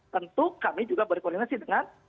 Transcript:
tentu kami juga berkoordinasi dengan